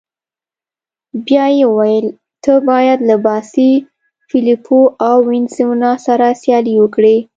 بیا يې وویل: ته باید له باسي، فلیپو او وینسزنا سره سیالي وکړې.